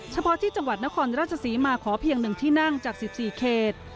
เฉพาะที่จังหวัดนครราชศรีมาขอเพียง๑ที่นั่งจาก๑๔เขต